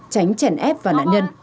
tránh chèn ép vào nạn nhân